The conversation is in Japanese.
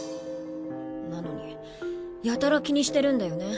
なのにやたら気にしてるんだよね。